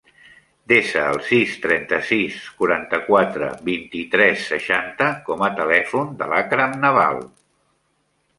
Desa el sis, trenta-sis, quaranta-quatre, vint-i-tres, seixanta com a telèfon de l'Akram Naval.